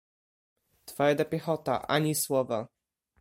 "Twarda piechota, ani słowa."